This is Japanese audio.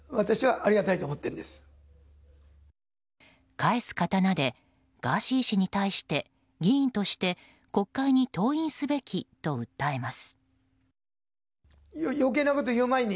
返す刀でガーシー氏に対して議員として国会に登院すべきと訴えます。